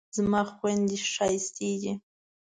زما خویندې ښایستې دي